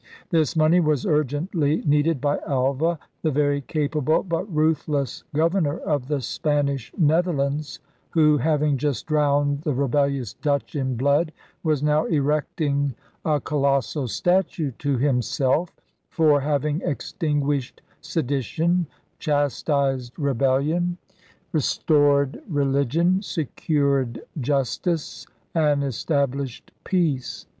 This money was urgently needed by Alva, the very capable but ruthless governor of the Spanish Netherlands, who, having just drowned the rebellious Dutch in blood, was now erecting a colossal statue to himself for having * extinguished sedition, chastised rebellion. DRAKE'S BEGINNING 99 restored religion, secured justice, and established peace.'